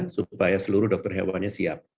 supaya seluruh dokter hewannya siap